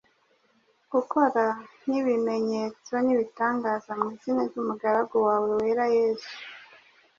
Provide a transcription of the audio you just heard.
gukore n’ibimenyetso n’ibitangaza mu izina ry’Umugaragu wawe wera Yesu.